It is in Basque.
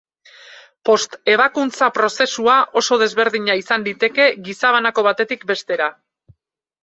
Post-ebakuntza prozesua oso desberdina izan liteke gizabanako batetik bestera.